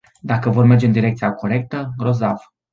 Dacă vor merge în direcția corectă, grozav.